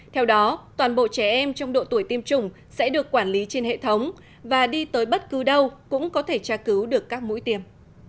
theo đó toàn bộ trẻ em trong độ tuổi tiêm chủng sẽ được quản lý trên hệ thống và đi tới bất cứ đâu cũng có thể tra cứu được các mũi tiêm